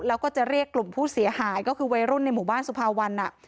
แล้วก็จะเรียกกลุ่มผู้เสียหายก็คือวัยรุ่นในหมู่บ้านสุภาวัน